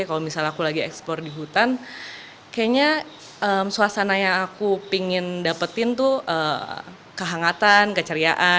kalau misalnya aku lagi ekspor di hutan kayaknya suasana yang aku pingin dapetin tuh kehangatan keceriaan